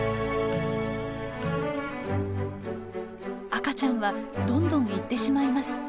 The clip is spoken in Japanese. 赤ちゃんはどんどん行ってしまいます。